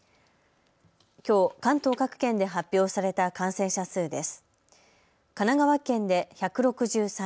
きょう関東各県で発表された感染者数です。